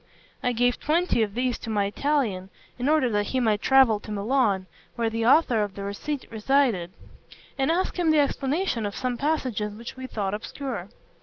I gave twenty of these to my Italian, in order that he might travel to Milan, where the author of the receipt resided, and ask him the explanation of some passages which we thought obscure.